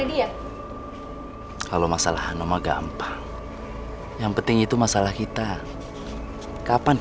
dim tol dong itu membutuhkan